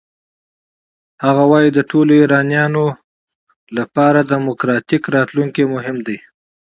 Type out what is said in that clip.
هغه وايي د ټولو ایرانیانو لپاره دموکراتیک راتلونکی مهم دی.